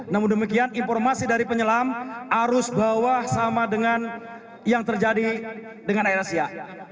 namun demikian informasi dari penyelam arus bawah sama dengan yang terjadi dengan air asia